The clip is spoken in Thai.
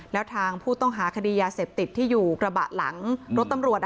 แล้วทางผู้ต้องหาคดียาเสพติดที่อยู่กระบะหลังรถตำรวจ